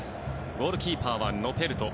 ゴールキーパーはノペルト。